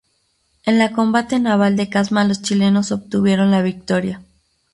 En la Combate naval de Casma los chilenos obtuvieron la victoria.